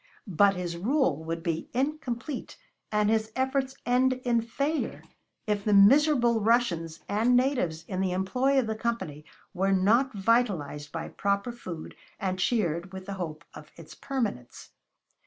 But his rule would be incomplete and his efforts end in failure if the miserable Russians and natives in the employ of the Company were not vitalized by proper food and cheered with the hope of its permanence.